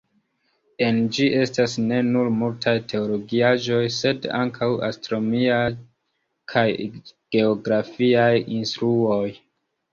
En ĝi estas ne nur multaj teologiaĵoj, sed ankaŭ astronomiaj kaj geografiaj instruoj.